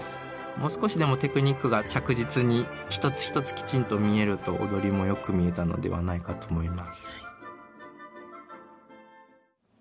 もう少しでもテクニックが着実に一つ一つきちんと見えると踊りも良く見えたのではないかと思います。